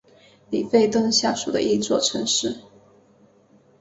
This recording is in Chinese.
里弗顿下属的一座城市。